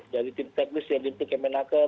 dari tim teknis yang dibutuhkan oleh kemenaker